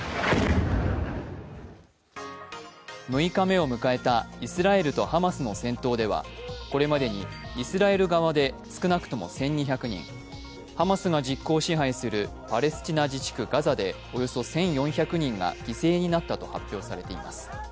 ６日目を迎えたイスラエルとハマスの戦闘では、これまでにイスラエル側で少なくとも１２００人、ハマスが実効支配するパレスチナ自治区ガザでおよそ１４００人が犠牲になったと発表されています。